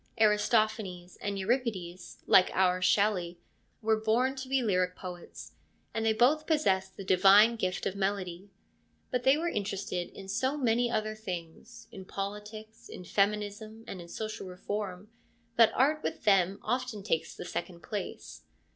Aristophanes and Euripides, like our Shelley, were born to be lyric poets, and they both possess the divine gift of melody. But they were interested in so many other things, in politics, in feminism, and in social reform, that art with them often takes the second place.